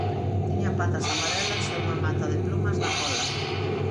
Tiña patas amarelas e unha mata de plumas na cola.